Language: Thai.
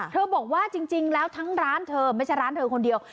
บอกว่าจริงแล้วทั้งร้านเธอไม่ใช่ร้านเธอคนเดียว